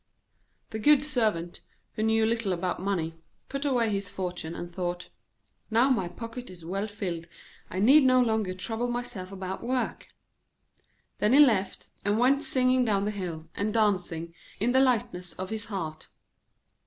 The good Servant, who knew little about money, put away his fortune, and thought: 'Now my pocket is well filled, I need no longer trouble myself about work.' Then he left and went singing down the hill, and dancing, in the lightness of his heart.